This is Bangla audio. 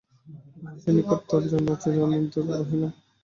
মহাশয়ের নিকট তজ্জন্য আমি চিরঋণবদ্ধ রহিলাম।